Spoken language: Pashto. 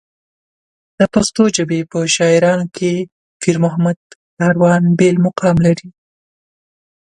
د پښتو ژبې په شاعرانو کې پېرمحمد کاروان بېل مقام لري.